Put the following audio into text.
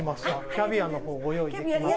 キャビアの方ご用意できました。